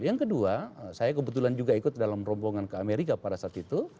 yang kedua saya kebetulan juga ikut dalam rombongan ke amerika pada saat itu